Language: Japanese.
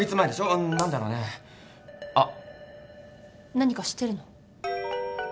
何か知ってるの？